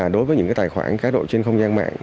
đối với những tài khoản cá độ trên không gian mạng